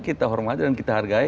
kita hormati dan kita hargai